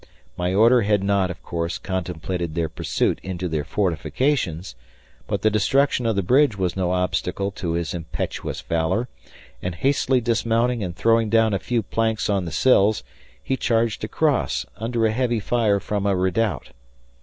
My order had not, of course, contemplated their pursuit into their fortifications, but the destruction of the bridge was no obstacle to his impetuous valor, and hastily dismounting and throwing down a few planks on the sills, he charged across, under a heavy fire from a redoubt.